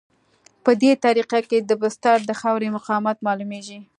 په دې طریقه کې د بستر د خاورې مقاومت معلومیږي